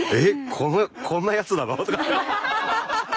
このこんなやつなの？とか。